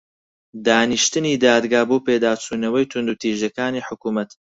دانیشتنی دادگا بۆ پێداچوونەوەی توندوتیژییەکانی حکوومەت